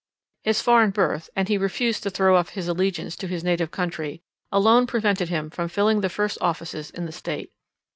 His foreign birth, and he refused to throw off his allegiance to his native country, alone prevented him from filling the first offices in the state.